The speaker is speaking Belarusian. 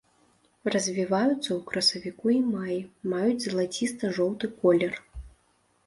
Развіваюцца ў красавіку і маі, маюць залаціста-жоўты колер.